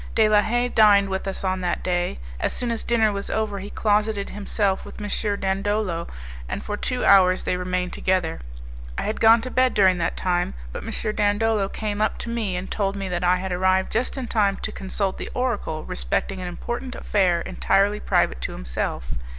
De la Haye dined with us on that day; as soon as dinner was over he closeted himself with M. Dandolo, and for two hours they remained together. I had gone to bed during that time, but M. Dandolo came up to me and told me that I had arrived just in time to consult the oracle respecting an important affair entirely private to himself.